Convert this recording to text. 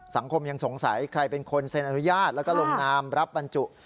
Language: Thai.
สังคมยังสงสัยใครเป็นคนเซ็นอนุญาตแล้วก็ลงนามรับบรรจุ